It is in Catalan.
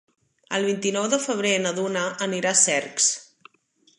El vint-i-nou de febrer na Duna anirà a Cercs.